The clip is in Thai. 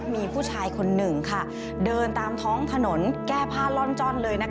มีผู้ชายคนหนึ่งเดินตามท้องถนนแก้ผ้าล่อนจ้อนเลย